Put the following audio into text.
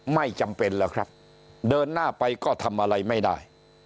ไม่จำเป็นแล้วครับเดินหน้าไปก็ทำอะไรไม่ได้